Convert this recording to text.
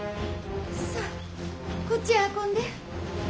さあこっちへ運んで。